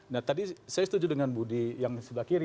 nah tadi saya setuju dengan budi yang sebelah kiri